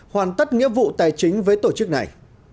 hoàn tất nghĩa vụ tài chính với tổ chức này